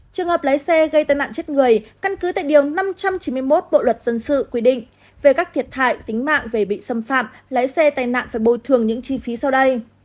trường hợp lái xe gây tai nạn chết người căn cứ tại điều năm trăm chín mươi một bộ luật dân sự quy định về các thiệt hại tính mạng về bị xâm phạm lái xe tài nạn phải bồi thường những chi phí sau đây